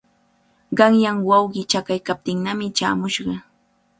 Qanyan wawqii chakaykaptinnami chaamushqa.